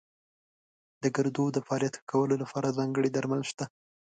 د ګردو د فعالیت ښه کولو لپاره ځانګړي درمل شته.